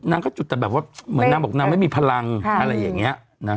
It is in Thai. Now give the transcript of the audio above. นางก็จุดแบบเหมือนนางบอกว่านางไม่มีผลังอะไรแบบนี้